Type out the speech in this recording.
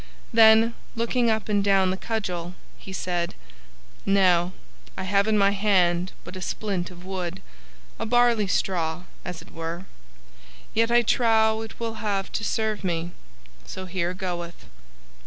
Then, looking up and down the cudgel, he said, "Now, I have in my hand but a splint of wood a barley straw, as it were yet I trow it will have to serve me, so here goeth."